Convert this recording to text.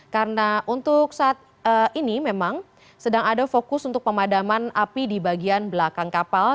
karena untuk saat ini memang sedang ada fokus untuk pemadaman api di bagian belakang kapal